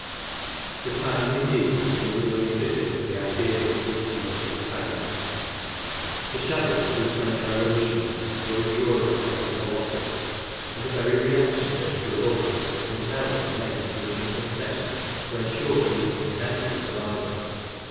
The time, indeed, was singularly fitted for the ideas of which he was the protagonist. The shadow of two French Revolutions bestrode Europe like a colossus; and the very reaction they had provoked was compelled to make grudging concessions to ensure even its tem porary survival.